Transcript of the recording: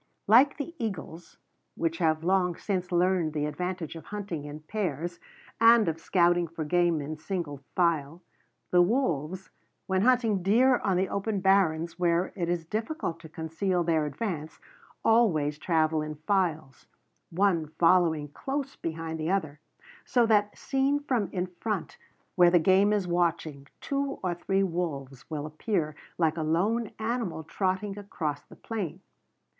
Like the eagles which have long since learned the advantage of hunting in pairs and of scouting for game in single file the wolves, when hunting deer on the open barrens where it is difficult to conceal their advance, always travel in files, one following close behind the other; so that, seen from in front where the game is watching, two or three wolves will appear like a lone animal trotting across the plain.